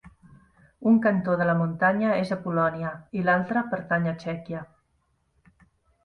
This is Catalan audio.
Un cantó de la muntanya és a Polònia i l'altra pertany a Txèquia.